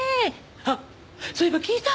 あっそういえば聞いた？